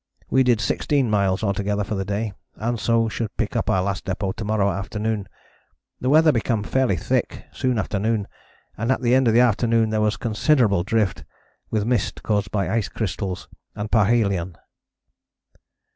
We did sixteen [miles] altogether for the day, and so should pick up our Last Depôt to morrow afternoon. The weather became fairly thick soon after noon, and at the end of the afternoon there was considerable drift, with a mist caused by ice crystals, and parhelion."